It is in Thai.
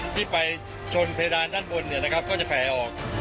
ที่ไปชนเพดานด้านบนเนี่ยนะครับก็จะแผ่ออก